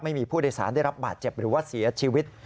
ไม่มีผู้โดยสารได้รับบาดเจ็บหรือว่าเสียชีวิต